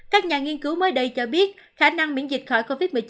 các nhà nghiên cứu mới đây cho biết khả năng miễn dịch khỏi covid một mươi chín